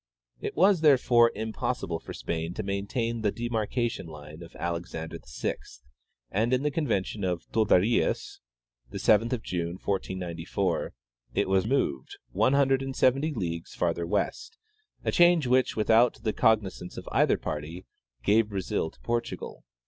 It was, therefore, impossible for Spain to maintain the demarcation line of Alexander VI, and in the con vention of Torderillas (7th June, 1494) it was moved one hun dred and seventy leagues farther west, a change which, without the cognizance of either party, gave Brazil to Portugal.